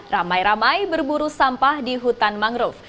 ramai ramai berburu sampah di hutan mangrove